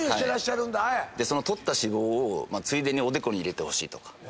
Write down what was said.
取った脂肪をついでにおでこに入れてほしいとか。